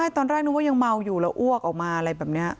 ตอนแรกนึกว่ายังเมาอยู่แล้วอ้วกออกมาอะไรแบบนี้